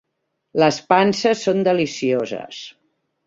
Les panses són delicioses.